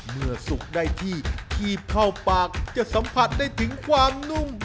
สุกได้ที่กีบเข้าปากจะสัมผัสได้ถึงความนุ่ม